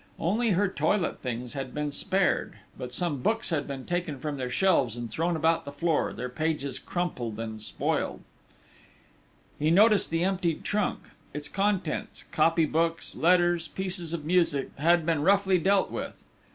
Only her toilet things had been spared; but some books had been taken from their shelves and thrown about the floor, their pages crumpled and spoilt. He noticed the emptied trunk: its contents copy books, letters, pieces of music had been roughly dealt with.